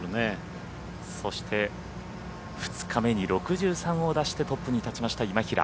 そして、２日目に６３を出してトップに立ちました今平。